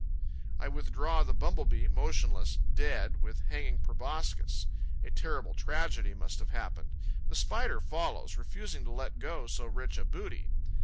I withdraw the Bumble bee, motionless, dead, with hanging proboscis. A terrible tragedy must have happened. The Spider follows, refusing to let go so rich a booty.